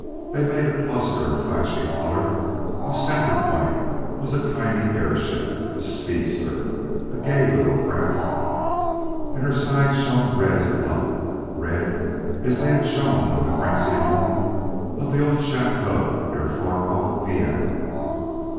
They made a cluster of flashing color whose center point was a tiny airship, a speedster, a gay little craft. And her sides shone red as blood red as they had shone on the grassy lawn of an old chateau near far off Vienna.